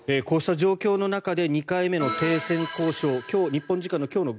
こうした状況の中で２回目の停戦交渉日本時間の今日